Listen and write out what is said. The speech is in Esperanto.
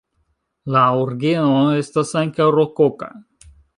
La orgeno estas ankaŭ rokoka.